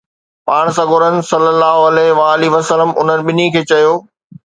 پاڻ سڳورن صلي الله عليه وآله وسلم انهن ٻنهي کي چيو